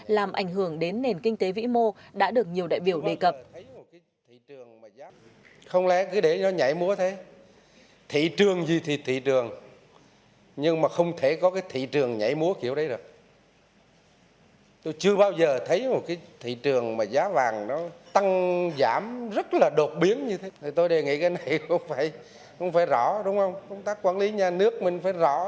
làm ảnh hưởng đến nền kinh tế vĩ mô đã được nhiều đại biểu đề cập